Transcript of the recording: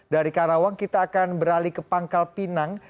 dari karawang kita akan beralih ke pangkal pinang